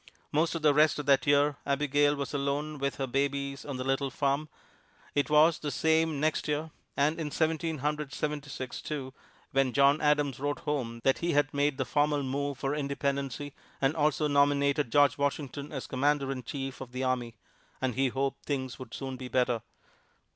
Most of the rest of that year Abigail was alone with her babies on the little farm. It was the same next year, and in Seventeen Hundred Seventy six, too, when John Adams wrote home that he had made the formal move for Independency and also nominated George Washington as Commander in Chief of the army; and he hoped things would soon be better.